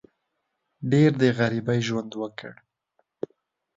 ډېر د غریبۍ ژوند وکړ.